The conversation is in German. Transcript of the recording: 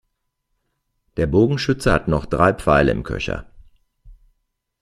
Der Bogenschütze hat noch drei Pfeile im Köcher.